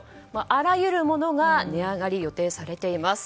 あらゆるものが値上がりを予定されています。